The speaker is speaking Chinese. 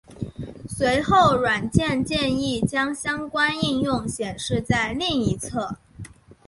随后软件建议将相关应用显示在另一侧。